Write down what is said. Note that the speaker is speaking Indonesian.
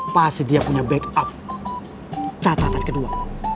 pasti dia punya backup catatan kedua